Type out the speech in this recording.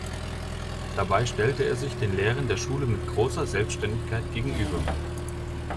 Dabei stellte er sich den Lehren der Schule mit großer Selbständigkeit gegenüber.